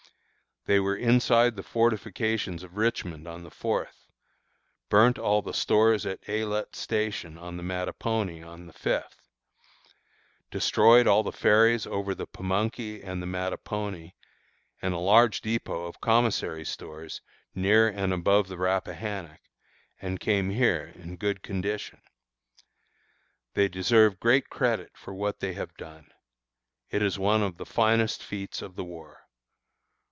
They were inside of the fortifications of Richmond on the fourth; burnt all the stores at Aylett's Station, on the Mattapony, on the fifth; destroyed all the ferries over the Pamunkey and Mattapony, and a large dépôt of commissary stores near and above the Rappahannock, and came here in good condition. They deserve great credit for what they have done. It is one of the finest feats of the war.